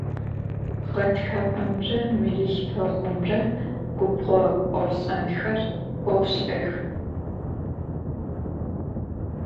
Ğetxapemre, melılhfeğumre gubğo ofş'enxer beu şı'ex.